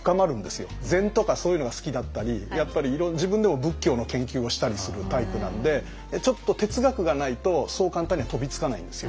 禅とかそういうのが好きだったりやっぱり自分でも仏教の研究をしたりするタイプなんでちょっと哲学がないとそう簡単には飛びつかないんですよ。